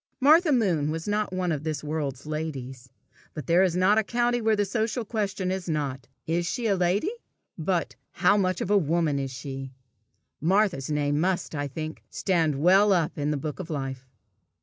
Martha Moon was not one of this world's ladies; but there is a country where the social question is not, "Is she a lady?" but, "How much of a woman is she?" Martha's name must, I think, stand well up in the book of life.